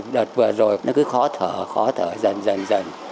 đợt vừa rồi nó cứ khó thở khó thở dần dần